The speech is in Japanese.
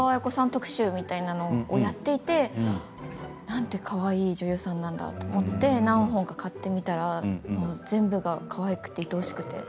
特集みたいなのをやっていてなんてかわいい女優さんなんだろうと思って何本か買ってみたら全部がかわいくていとおしくて。